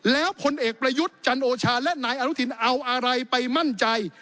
แล้วพลเอกประยุทธ์จันโอชาและนายอนุทินเอาอะไรไปมั่นใจ